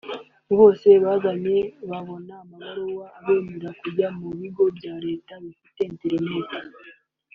bose bazajya babona amabaruwa abemerera kujya mu bigo bya Leta bifite “internat”